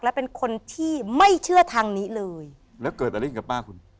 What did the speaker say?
และเป็นคนที่ไม่เชื่อทางนี้เลยแล้วเกิดอะไรขึ้นกับป้าคุณ